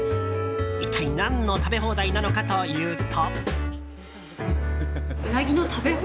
一体何の食べ放題なのかというと。